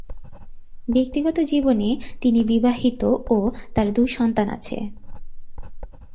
ব্যক্তিগত জীবনে তিনি বিবাহিত ও তার দুই সন্তান আছে।